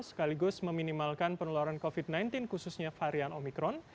sekaligus meminimalkan penularan covid sembilan belas khususnya varian omikron